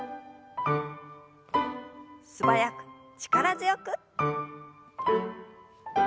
素早く力強く。